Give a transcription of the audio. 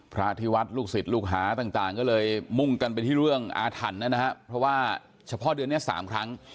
พระทีวัชลูกสินลูกฮาต่างก็เลยมุ่งไปที่เรื่องอาถรรพ์นะฮะเพราะว่าเฉพาะเดือนนี้สามครั้ง